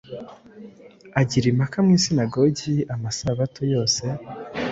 Agira impaka mu isinagogi amasabato yose